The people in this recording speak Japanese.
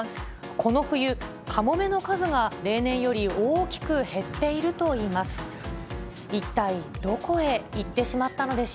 この冬、カモメの数が例年より大きく減っているといいます。